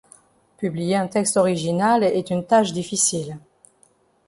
Publier un texte original est une tâche difficile.